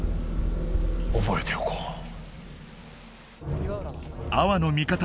覚えておこう。